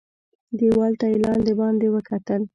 دېوال ته یې لاندي باندي وکتل .